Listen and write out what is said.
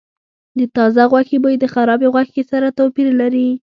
د تازه غوښې بوی د خرابې غوښې سره توپیر لري.